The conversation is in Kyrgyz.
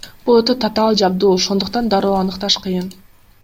Бул өтө татаал жабдуу, ошондуктан дароо аныкташ кыйын.